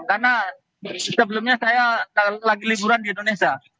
karena sebelumnya saya lagi liburan di indonesia